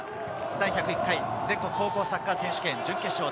第１０１回全国高校サッカー選手権準決勝です。